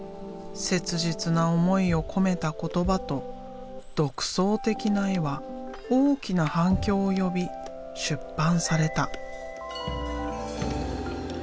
切実な思いを込めた言葉と独創的な絵は大きな反響を呼び出版された。